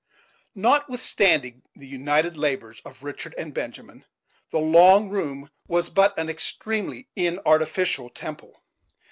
Notwithstanding the united labors of Richard and Benjamin, the "long room" was but an extremely inartificial temple.